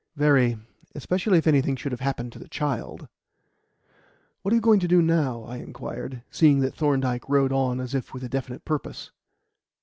"Very; especially if anything should have happened to the child." "What are you going to do now?" I inquired, seeing that Thorndyke rode on as if with a definite purpose.